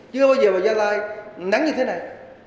chứ bao giờ vào gia lai nắng như thế này